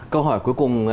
câu hỏi cuối cùng